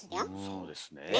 そうですね。ね。